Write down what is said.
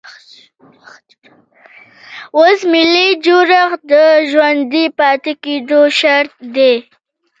اوس ملي جوړښت د ژوندي پاتې کېدو شرط دی.